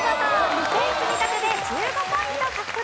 ２点積み立てで１５ポイント獲得。